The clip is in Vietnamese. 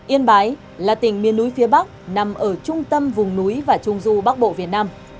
yên bái là tỉnh miền núi phía bắc nằm ở trung tâm vùng núi và trung du bắc bộ việt nam